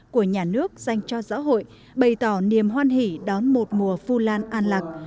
của nhà nước dành cho xã hội bày tỏ niềm hoan hỷ đón một mùa vu lan an lạc